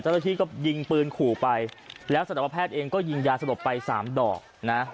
เจ้าหน้าที่ก็ยิงปืนขู่ไปแล้วสัตวแพทย์เองก็ยิงยาสลบไปสามดอกนะ